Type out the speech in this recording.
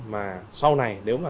mà sau này nếu mà